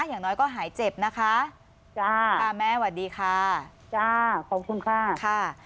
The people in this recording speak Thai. อย่างน้อยก็หายเจ็บนะคะจ้าค่ะแม่สวัสดีค่ะจ้าขอบคุณค่ะค่ะ